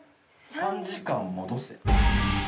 「３時間戻せ」